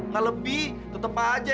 gak lebih tetep aja